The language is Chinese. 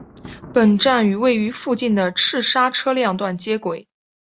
本站与位于附近的赤沙车辆段接轨。